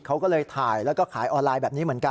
เขาก็เลยถ่ายแล้วก็ขายออนไลน์แบบนี้เหมือนกัน